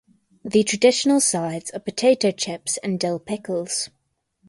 The traditional sides are potato chips and dill pickles.